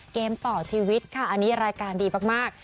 เกมต่อชีวิตค่ะอันนี้รายการดีมาก